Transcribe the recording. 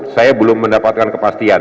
saya belum mendapatkan kepastian